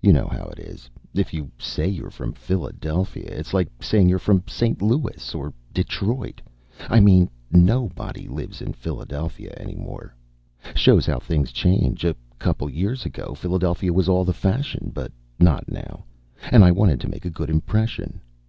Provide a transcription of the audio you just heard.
You know how it is. If you say you're from Philadelphia, it's like saying you're from St. Louis or Detroit I mean nobody lives in Philadelphia any more. Shows how things change. A couple years ago, Philadelphia was all the fashion. But not now, and I wanted to make a good impression.